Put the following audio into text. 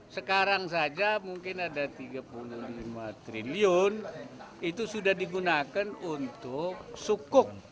sekarang saja mungkin ada tiga puluh lima triliun itu sudah digunakan untuk sukuk